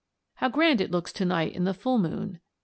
How grand it looks to night in the full moon (Fig.